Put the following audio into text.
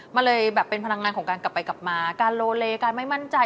มันเลยแบบเป็นพลังงานของการกลับไปกลับมาการโลเลการไม่มั่นใจ